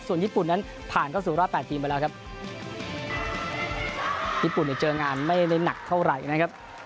ส่วนญี่ปุ่นนั้นผ่านเข้าสู่รอบแปดทีมไปแล้วครับญี่ปุ่นเนี่ยเจองานไม่ได้หนักเท่าไหร่นะครับ